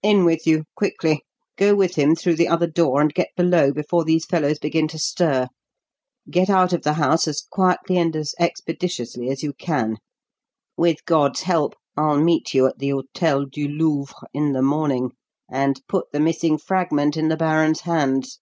In with you, quickly; go with him through the other door, and get below before those fellows begin to stir. Get out of the house as quietly and as expeditiously as you can. With God's help, I'll meet you at the Hôtel du Louvre in the morning, and put the missing fragment in the baron's hands."